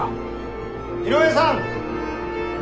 井上さん！